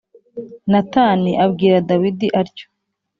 Natani abwira Dawidi atyo